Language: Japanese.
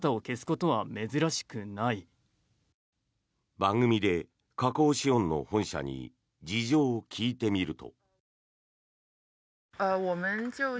番組で華興資本の本社に事情を聴いてみると。